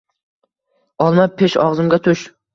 Olma pish, og‘zimga tush.